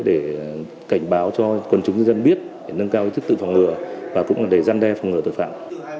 để cảnh báo cho quân chúng dân biết để nâng cao tức tự phòng ngừa và cũng để gian đe phòng ngừa tội phạm